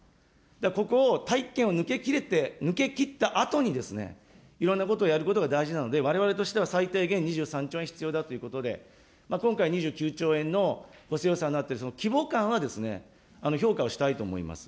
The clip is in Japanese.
ここを大気圏を抜けきったあとに、いろんなことをやることが大事なんで、われわれとしては最低限、２３兆円必要だということで、今回、２９兆円の補正予算になって、その規模感は評価をしたいと思います。